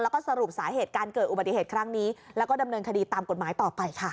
แล้วก็สรุปสาเหตุการเกิดอุบัติเหตุครั้งนี้แล้วก็ดำเนินคดีตามกฎหมายต่อไปค่ะ